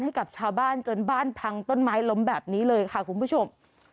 ให้กับชาวบ้านจนบ้านพังต้นไม้ล้มแบบนี้เลยค่ะคุณผู้ชม